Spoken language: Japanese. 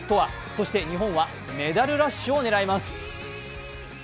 そして、日本はメダルラッシュを狙います。